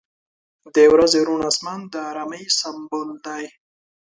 • د ورځې روڼ آسمان د آرامۍ سمبول دی.